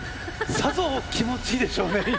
さぞ気持ちいいでしょうね今。